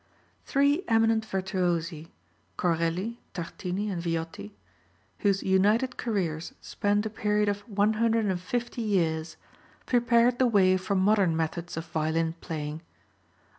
Three eminent virtuosi, Corelli, Tartini and Viotti, whose united careers spanned a period of 150 years, prepared the way for modern methods of violin playing.